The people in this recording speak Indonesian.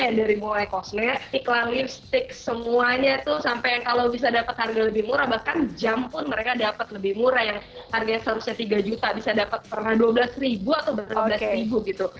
dari mulai kosmetik lah lipstick semuanya tuh sampai kalau bisa dapat harga lebih murah bahkan jam pun mereka dapat lebih murah yang harganya seharusnya tiga juta bisa dapat pernah dua belas ribu atau berapa belas ribu gitu